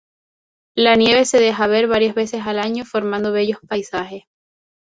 La nieve se deja ver varias veces al año formando bellos paisajes.